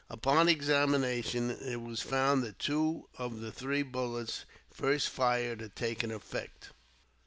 Upon examination, it was found that two of the three bullets first fired had taken effect.